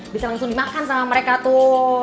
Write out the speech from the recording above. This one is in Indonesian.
bisa langsung dimakan sama mereka tuh